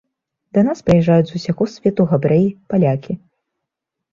Да нас прыязджаюць з усяго свету габрэі, палякі.